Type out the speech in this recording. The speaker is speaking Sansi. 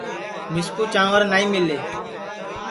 مِسکُو چانٚور نائی مِلے